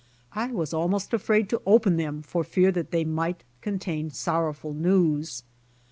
I was almost afraid to open them for fear that they might contain sorrowful news.